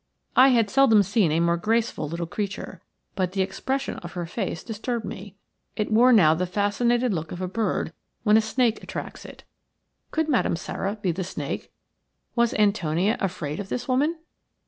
I had seldom seen a more graceful little creature. But the expression of her face disturbed me. It wore now the fascinated look of a bird when a snake attracts it. Could Madame Sara be the snake? Was Antonia afraid of this woman?